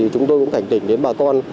chúng tôi cũng cảnh tỉnh đến bà con